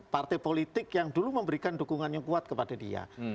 partai politik yang dulu memberikan dukungan yang kuat kepada dia